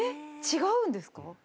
違うんですか？